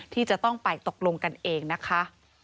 ที่จะต้องไปตกลงกันเองนะคะ